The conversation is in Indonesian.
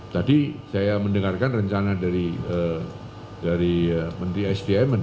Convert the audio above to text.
tadi saya mendengarkan rencana dari menteri sdm